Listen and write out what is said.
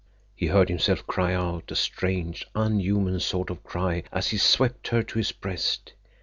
He heard himself cry out, a strange, unhuman sort of cry, as he swept her to his breast.